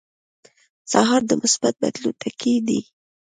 سهار د مثبت بدلون ټکي دي.